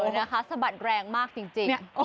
นะคะสะบัดแรงมากจริง